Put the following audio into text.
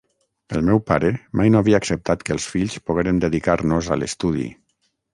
El meu pare mai no havia acceptat que els fills poguérem dedicar-nos a l’estudi...